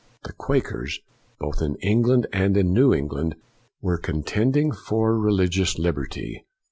The Quakers, both in England and in New England, were contending for religious liberty.